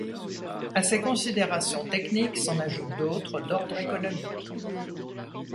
À ces considérations techniques s'en ajoutent d'autres, d'ordre économique.